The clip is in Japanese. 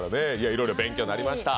いろいろ勉強になりました。